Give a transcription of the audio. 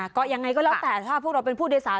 ก็ยังไงก็แล้วแต่ถ้าพวกเราเป็นผู้โดยสาร